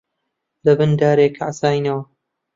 لەبن دارێک حەساینەوە